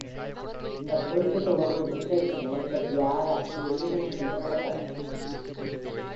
இந்த குறிப்பிட்ட ஒரு இன்டெக்ரினை பற்றிய ஆராய்ச்சி எலிகளின் மீது நடத்தப்பட்டது.